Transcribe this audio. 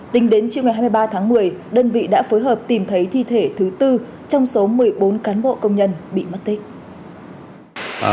tính đến chiều ngày hai mươi ba tháng một mươi đơn vị đã phối hợp tìm thấy thi thể thứ tư trong số một mươi bốn cán bộ công nhân bị mất tích